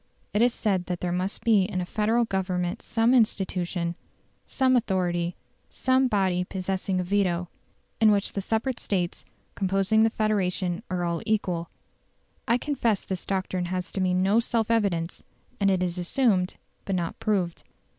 It is said that there must be in a Federal Government some institution, some authority, some body possessing a veto in which the separate States composing the Confederation are all equal. I confess this doctrine has to me no self evidence, and it is assumed, but not proved.